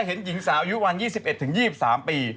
เห็นหญิงสาวอายุวัน๒๑๒๓ปี